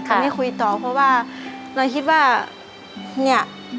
แต่ไม่คุยต่อเพราะว่าเราคิดว่าเนี่ย